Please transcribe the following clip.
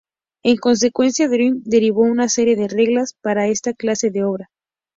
En consecuencia, Dryden derivó una serie de reglas para esta clase de obra.